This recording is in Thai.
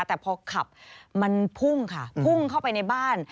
แต่พอขับมันพุ่งค่ะพุ่งเข้าไปในบ้าน